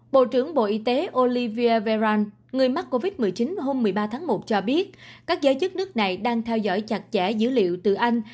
bộ trưởng bộ y tế olivier véran người mắc covid một mươi chín hôm một mươi ba tháng một cho biết các giới chức nước này đang theo dõi chặt chẽ dữ liệu từ anh